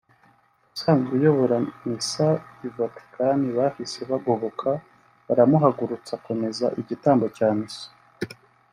usanzwe uyobora Misa i Vatican bahise bagoboka baramuhagurutsa akomeza igitambo cya misa